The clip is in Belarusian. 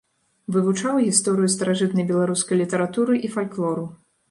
Вывучаў гісторыю старажытнай беларускай літаратуры і фальклору.